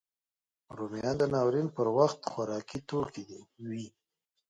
رومیان د ناورین پر وخت خوارکي توکی وي